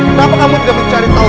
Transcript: kenapa kamu tidak mencari tahu